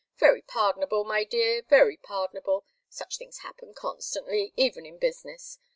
"Very pardonable, my dear, very pardonable. Such things happen constantly, even in business.